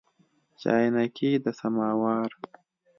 چاینکي د سماوار